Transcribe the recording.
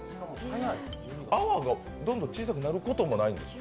泡がどんどん小さくなることもないんですか？